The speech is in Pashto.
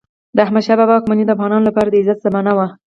د احمدشاه بابا واکمني د افغانانو لپاره د عزت زمانه وه.